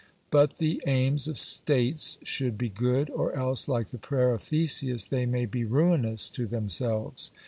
But the aims of states should be good, or else, like the prayer of Theseus, they may be ruinous to themselves.